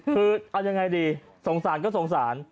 พึดอะยังไงดีสงสารก็สงสาร